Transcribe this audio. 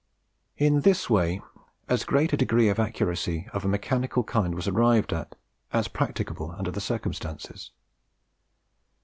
In this way as great a degree of accuracy of a mechanical kind was arrived at was practicable under the circumstances.